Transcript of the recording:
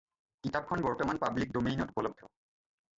কিতাপখন বৰ্তমান পাব্লিক ডমেইনত উপলব্ধ।